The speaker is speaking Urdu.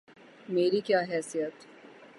میری کیا حیثیت؟